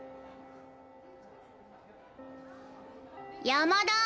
山田！